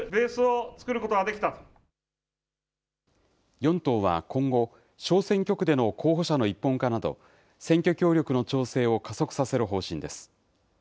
４党は今後、小選挙区での候補者の一本化など、選挙協力の調整を加速させる方針です。